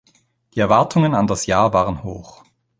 Die Erwartungen an das Jahr waren hoch.